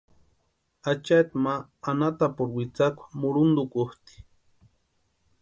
Achaati ma anhatapurhu witsakwa muruntukutʼi.